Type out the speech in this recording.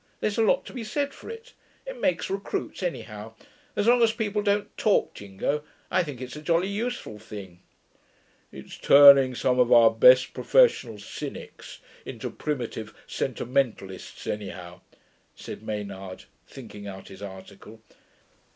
There's a lot to be said for it. It makes recruits, anyhow. As long as people don't talk jingo, I think it's a jolly useful thing.' 'It's turning some of our best professional cynics into primitive sentimentalists, anyhow,' said Maynard, thinking out his article.